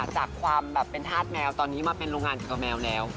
จากความแบบเป็นธาตุแมวตอนนี้มาเป็นโรงงานเกี่ยวกับแมวแล้ว